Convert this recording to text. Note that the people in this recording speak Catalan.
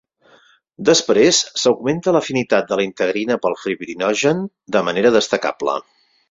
Després, s’augmenta l’afinitat de la integrina pel fibrinogen de manera destacable.